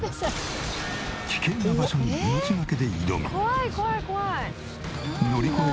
危険な場所に命がけで挑み。